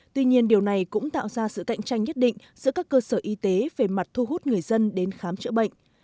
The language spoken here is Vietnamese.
tuy nhiên điều này cũng tạo ra sự cạnh tranh nhất định giữa các cơ sở y tế về mặt thu hút người dân đến khám chữa bệnh